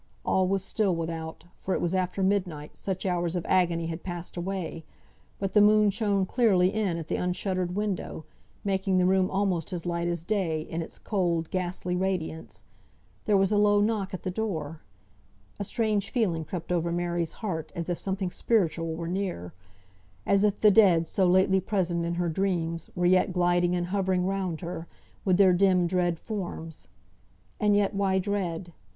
All was still without, for it was after midnight, such hours of agony had passed away; but the moon shone clearly in at the unshuttered window, making the room almost as light as day, in its cold ghastly radiance. There was a low knock at the door! A strange feeling crept over Mary's heart, as if something spiritual were near; as if the dead, so lately present in her dreams, were yet gliding and hovering round her, with their dim, dread forms. And yet, why dread?